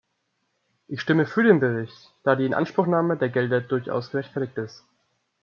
Ich stimme für den Bericht, da die Inanspruchnahme der Gelder durchaus gerechtfertigt ist.